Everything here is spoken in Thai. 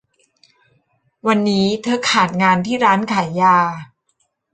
วันนี้เธอขาดงานที่ร้านขายยา